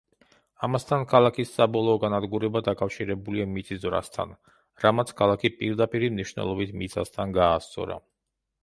ამასთან, ქალაქის საბოლოო განადგურება დაკავშირებულია მიწისძვრასთან, რამაც ქალაქი პირდაპირი მნიშვნელობით მიწასთან გაასწორა.